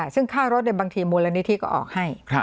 ซึ่งค่ารถบางทีมูลนิธิก็ออกให้